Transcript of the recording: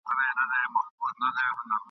ځاي پر ځای به وي ولاړي ټولي ژرندي ..